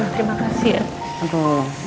terima kasih ya